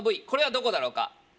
これはどこだろうか？